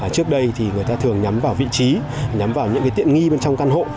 trước đây thì người ta thường nhắm vào vị trí nhắm vào những tiện nghi bên trong căn hộ